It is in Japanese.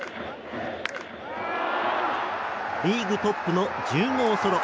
リーグトップの１０号ソロ。